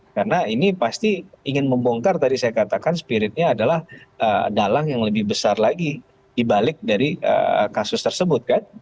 karena ini pasti ingin membongkar tadi saya katakan spiritnya adalah dalang yang lebih besar lagi dibalik dari kasus tersebut